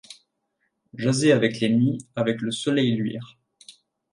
Jaser avec les nids, avec le soleil luire